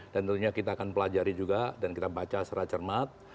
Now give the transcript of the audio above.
dan tentunya kita akan pelajari juga dan kita baca secara cermat